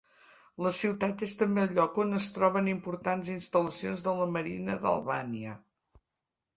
La ciutat és també el lloc on es troben importants instal·lacions de la Marina d'Albània.